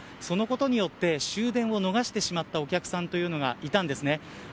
そのことにより終電を逃してしまったお客さんがいたんです。